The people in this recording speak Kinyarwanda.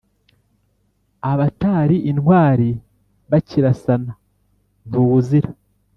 abatari intwari bakirasana "ntuwuzira"